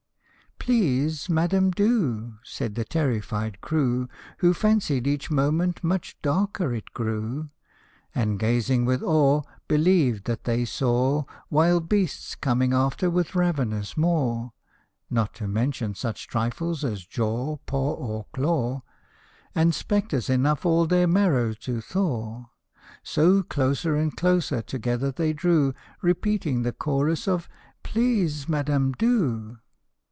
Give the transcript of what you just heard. " Please, madam, do !" Said the terrified crew, Who fancied each moment much darker it grew, And gazing with awe, Believed that they saw Wild beasts coming after with ravenous maw (Not to mention such trifles as jaw, paw, or claw), And spectres enough all their marrow to thaw ; So closer and closer together they drew, Repeating the chorus of " Please, madam, do